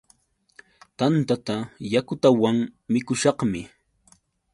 Tantata yakutawan mikushaqmi.